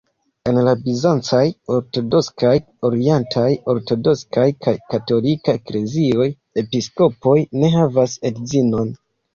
En la bizancaj ortodoksaj, orientaj ortodoksaj kaj katolika eklezioj, episkopoj ne havas edzinon.